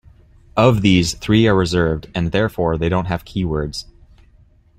Of these, three are reserved and therefore they don't have keywords.